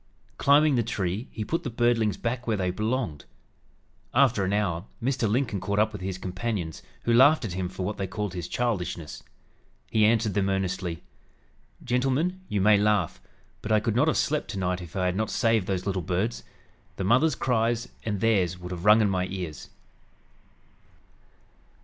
Climbing the tree he put the birdlings back where they belonged. After an hour Mr. Lincoln caught up with his companions, who laughed at him for what they called his "childishness." He answered them earnestly: "Gentlemen, you may laugh, but I could not have slept tonight if I had not saved those little birds. The mother's cries and theirs would have rung in my ears."